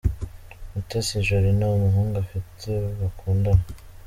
Mutesi Jolly nta muhungu afite bakundana.